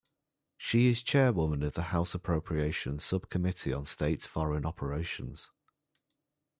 She is Chairwoman of the House Appropriations Subcommittee on State-Foreign Operations.